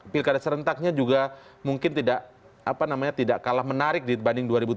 pilkada serentaknya juga mungkin tidak kalah menarik dibanding dua ribu tujuh belas